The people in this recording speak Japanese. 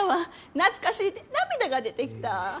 懐かしぃて涙が出てきた。